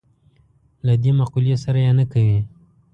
له دې مقولې سره یې نه کوي.